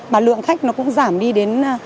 mà lượng khách nó cũng giảm đi đến